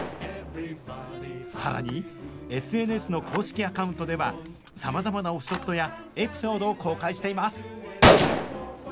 更にＳＮＳの公式アカウントではさまざまなオフショットやエピソードを公開しています！